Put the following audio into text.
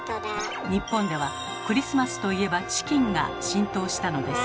日本では「クリスマスといえばチキン」が浸透したのです。